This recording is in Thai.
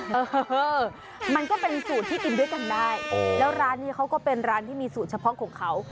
เออมันก็เป็นสูตรที่กินด้วยกันได้แล้วร้านนี้เขาก็เป็นร้านที่มีสูตรเฉพาะของเขา